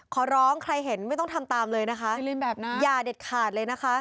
ขอร้องใครเห็นไม่ต้องทำตามเลยนะคะอย่าเด็ดขาดเลยนะคะ